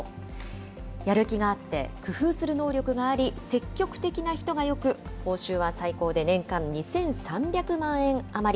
やる気があって、工夫する能力があり、積極的な人がよく、報酬は最高で年間２３００万円余り。